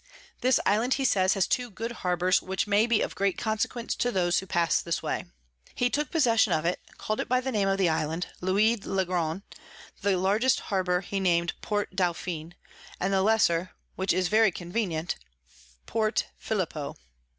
This Island, he says, has two good Harbours, which may be of great consequence to those who pass this way. He took possession of it, call'd it by the name of the Island Louis le Grand; the largest Harbour he nam'd Port Dauphin, and the lesser, which is very convenient, Port Philippeaux.